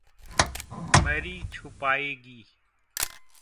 Mary छुपाएगी।